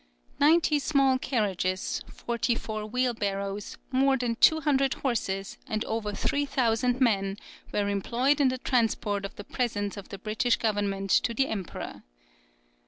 Ninety small carriages, forty four wheelbarrows, more than two hundred horses, and over three thousand men, were employed in the transport of the presents of the British government to the emperor.